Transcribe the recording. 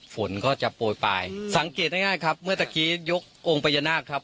ฝนก็จะโปรยไปอืมสังเกตง่ายง่ายครับเมื่อตะกี้ยกองปยานาคครับ